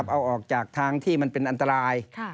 เอาออกจากทางที่มันเป็นอันตราย